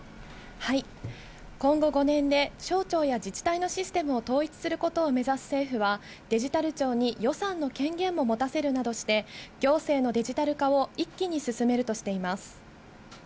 今後５年で省庁や自治体のシステムを統一することを目指す政府は、デジタル庁に予算の権限も持たせるなどして、行政のデジタル化を一気に進めるとしています。